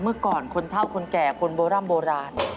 เมื่อก่อนคนเท่าคนแก่คนโบร่ำโบราณ